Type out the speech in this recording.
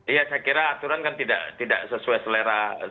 iya saya kira aturan kan tidak sesuai selera